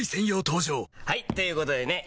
登場はい！ということでね